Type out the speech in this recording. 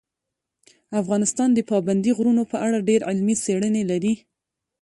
افغانستان د پابندي غرونو په اړه ډېرې علمي څېړنې لري.